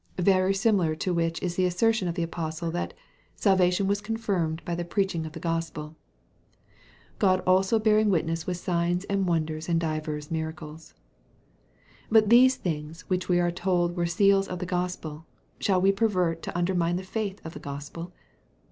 Very similar to which is the assertion of the apostle, that "salvation was confirmed" by the preaching of the Gospel, "God also bearing witness with signs, and wonders, and divers miracles." But those things which we are told were seals of the Gospel, shall we pervert to undermine the faith of the Gospel?